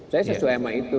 saya sesuai sama itu